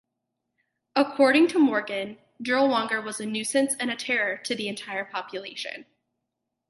According to Morgen, Dirlewanger was a nuisance and a terror to the entire population.